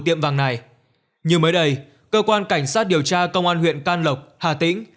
tiệm vàng này như mới đây cơ quan cảnh sát điều tra công an huyện can lộc hà tĩnh